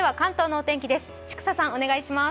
お願いします。